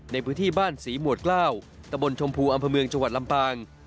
ในพื้นที่บ้านศรีหมวดกล้าวตะบนชมพูอำเภอเมืองจังหวัดลำปาง